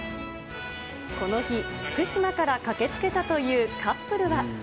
この日、福島から駆けつけたというカップルは。